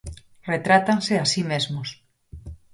Retrátanse a si mesmos.